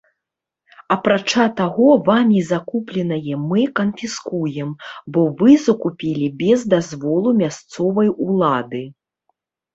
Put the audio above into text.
Апрача таго, вамі закупленае мы канфіскуем, бо вы закупілі без дазволу мясцовай улады!